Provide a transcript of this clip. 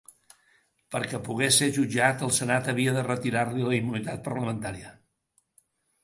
Perquè pogués ser jutjat, el senat havia de retirar-li la immunitat parlamentària.